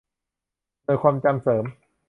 หน่วยความจำเสริม